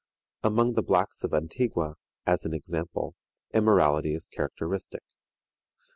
Among the blacks of Antigua, as an example, immorality is characteristic.